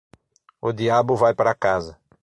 O diabo vai para casa.